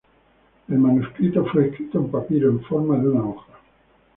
El manuscrito fue escrito en papiro, en forma de una hoja.